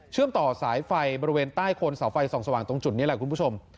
ต่อสายไฟบริเวณใต้โคนเสาไฟส่องสว่างตรงจุดนี้แหละคุณผู้ชม